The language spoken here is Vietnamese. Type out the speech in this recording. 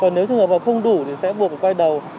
nếu thường hợp không đủ thì sẽ buộc quay đầu